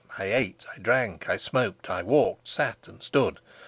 I ate, I drank, I smoked, I walked, sat, and stood.